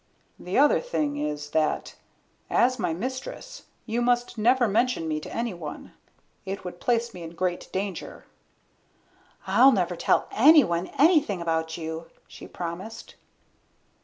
"The other thing is that, as my mistress, you must never mention me to anyone. It would place me in great danger." "I'll never tell anyone anything about you," she promised.